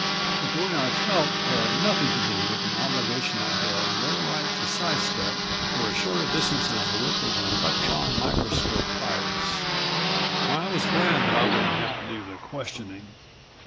But the way I felt had nothing to do with an obligation I had no right to sidestep for as short a distance as the width of an electron microscoped virus. I was glad that I wouldn't have to do the questioning.